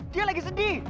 dia lagi sedih